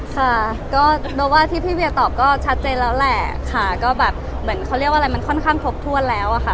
ค่ะก็เบลว่าที่พี่เวียตอบก็ชัดเจนแล้วแหละค่ะก็แบบเหมือนเขาเรียกว่าอะไรมันค่อนข้างครบถ้วนแล้วอะค่ะ